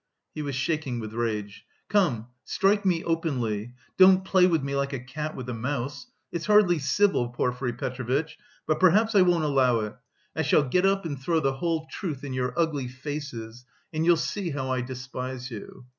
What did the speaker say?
He was shaking with rage. "Come, strike me openly, don't play with me like a cat with a mouse. It's hardly civil, Porfiry Petrovitch, but perhaps I won't allow it! I shall get up and throw the whole truth in your ugly faces, and you'll see how I despise you."